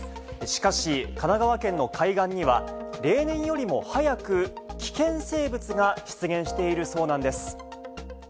しかし、神奈川県の海岸には、例年よりも早く危険生物が出現しているそうなんです。